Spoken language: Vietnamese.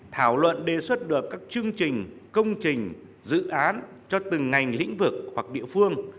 thảo luận đề xuất được các chương trình công trình dự án cho từng ngành lĩnh vực hoặc địa phương